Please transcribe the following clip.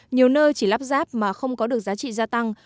nhiều nơi chỉ lắp ráp mà không có được giá trị gia tăng